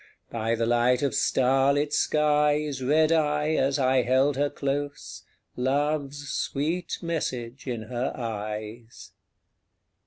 By the light of starlit skies Read I, as I held her close, Love's sweet message in her eyes.